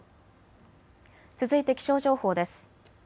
続いて気象情報です。